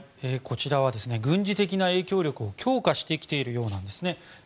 こちらは軍事的な影響力を強化してきているようなんですよね。